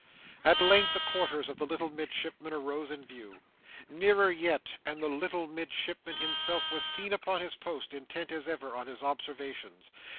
At length the quarters of the little Midshipman arose in view. Nearer yet, and the little Midshipman himself was seen upon his post, intent as ever on his observations.